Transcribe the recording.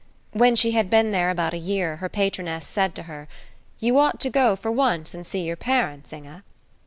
When she had been there about a year, her patroness said to her, "You ought to go, for once, and see your parents, Inge."